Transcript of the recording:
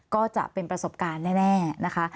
ก็จะเป็นประสบการณ์แน่นะคะ